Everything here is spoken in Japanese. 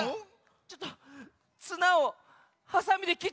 ちょっとつなをはさみできっちゃった。